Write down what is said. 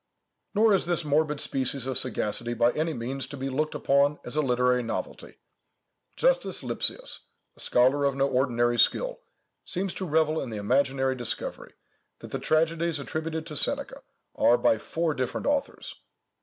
Nor is this morbid species of sagacity by any means to be looked upon as a literary novelty. Justus Lipsius, a scholar of no ordinary skill, seems to revel in the imaginary discovery, that the tragedies attributed to Seneca are by four different authors.